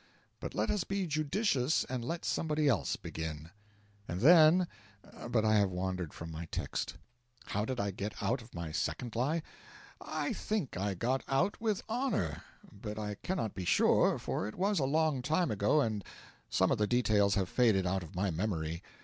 But let us be judicious and let somebody else begin. And then But I have wandered from my text. How did I get out of my second lie? I think I got out with honour, but I cannot be sure, for it was a long time ago and some of the details have faded out of my memory.